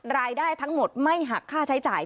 รายได้ทั้งหมดไม่หักค่าใช้จ่าย